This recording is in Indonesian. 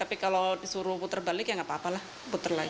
tapi kalau disuruh putar balik ya nggak apa apa lah puter lagi